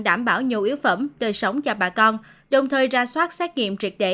đảm bảo nhiều yếu phẩm đời sống cho bà con đồng thời ra soát xét nghiệm triệt để